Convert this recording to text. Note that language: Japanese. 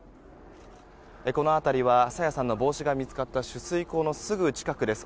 この辺りは朝芽さんの帽子が見つかった取水口のすぐ近くです。